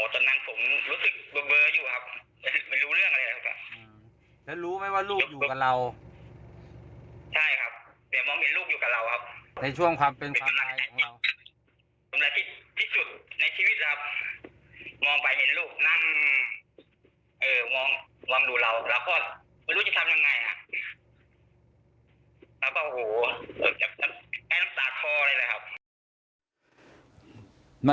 ตอนนั้นผมรู้สึกเบอร์อยู่ครับไม่รู้เรื่องอะไรเลยครับ